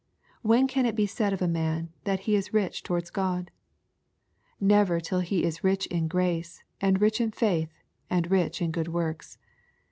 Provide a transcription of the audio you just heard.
When can it be said of a man, that he is rich towards God ? Never till he is rich in grace, and rich in faith, and rich in good works